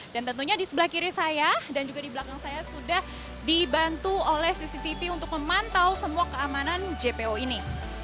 dan tentunya di sebelah kiri saya dan juga di belakang saya sudah dibantu oleh cctv untuk memantau semua keamanan jpo ini